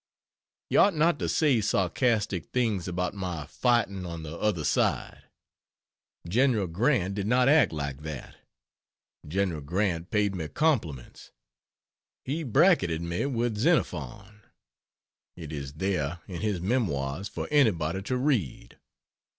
You ought not to say sarcastic things about my "fighting on the other side." General Grant did not act like that. General Grant paid me compliments. He bracketed me with Zenophon it is there in his Memoirs for anybody to read.